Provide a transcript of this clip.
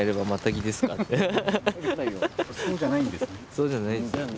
そうじゃないんですね。